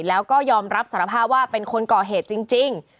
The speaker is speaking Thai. แล้วก็ยอมรับสารภาพว่าเป็นคนก่อเหตุจริง